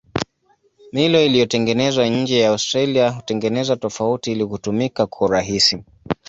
Milo iliyotengenezwa nje ya Australia hutengenezwa tofauti ili kutumika kwa urahisi.